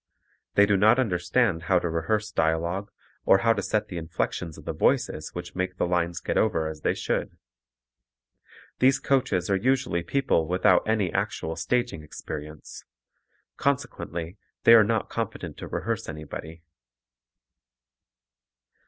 They do not understand how to rehearse dialogue or how to set the inflections of the voices which make the lines get over as they should. These coaches are usually people without any actual staging experience, consequently they are not competent to rehearse anybody.